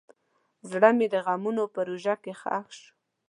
زړه مې د غمونو په ژوره کې ښخ شو.